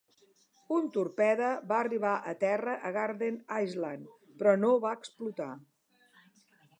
Un torpede va arribar a terra a Garden Island, però no va explotar.